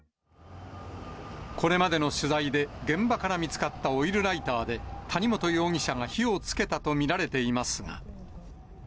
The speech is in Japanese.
これまでの取材で、現場から見つかったオイルライターで、谷本容疑者が火をつけたと見られていますが。